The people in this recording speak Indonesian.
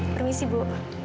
terima kasih bu